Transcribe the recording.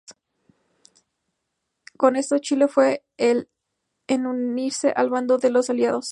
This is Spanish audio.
Con esto, Chile fue el en unirse al bando de los Aliados.